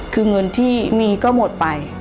คือเงินที่มีก็หมดไป